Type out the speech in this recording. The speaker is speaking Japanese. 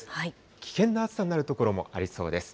危険な暑さになる所もありそうです。